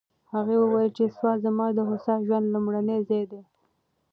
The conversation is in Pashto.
هغې وویل چې سوات زما د هوسا ژوند لومړنی ځای دی.